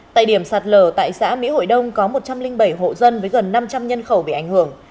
tại điểm sạt lở tại xã mỹ hội đông có một trăm linh bảy hộ dân với gần năm trăm linh nhân khẩu bị ảnh hưởng